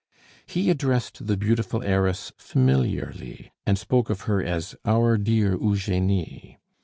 He addressed the beautiful heiress familiarly, and spoke of her as "Our dear Eugenie."